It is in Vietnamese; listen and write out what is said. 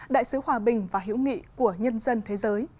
đại sứ hòa bình và hữu nghị của nhân dân thế giới